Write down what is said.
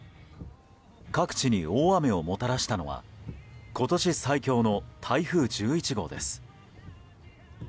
各地に大雨をもたらしたのは今年最強の台風１１号です。